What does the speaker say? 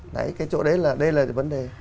đấy cái chỗ đấy là đây là cái vấn đề